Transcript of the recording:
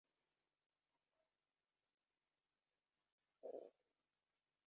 Estudió Filología en la Universidad de Salónica.